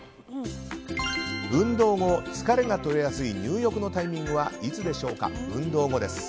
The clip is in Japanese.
運動後、疲れが取れやすい入浴のタイミングはいつでしょうか？